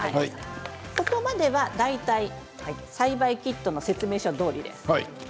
ここまでは大体栽培キットの説明書どおりです。